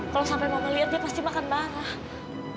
kalau sampai mama lihat dia pasti makan marah